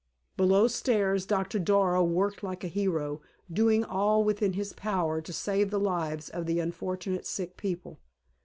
Below stairs, Doctor Darrow worked like a hero, doing all within his power to save the lives of the unfortunate sick people.